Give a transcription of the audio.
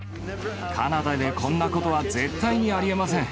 カナダでこんなことは絶対ありえません。